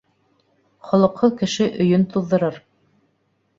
Холоҡһоҙ кеше өйөн туҙҙырыр.